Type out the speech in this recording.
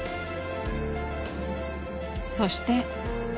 そして。